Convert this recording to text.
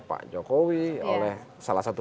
pak jokowi oleh salah satu